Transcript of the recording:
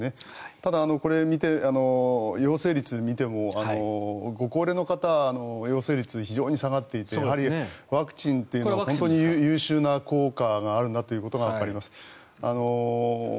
ただ、これを見て陽性率を見てもご高齢の方陽性率が非常に下がっていてやはりワクチンというのは本当に優秀な効果があるなということがわかります。